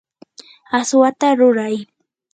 aswata ruray.